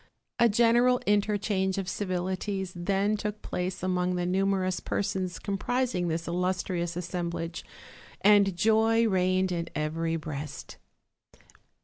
A general interchange of civilities then took place among uhe numerous persons comprising this illustrious assem blage, and joy reigned in every breast.